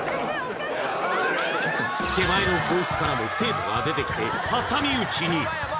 手前の教室からも生徒が出てきて挟み撃ちに！